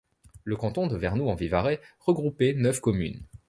Le canton de Vernoux-en-Vivarais regroupait neuf communes.